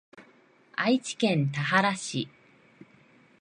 愛知県田原市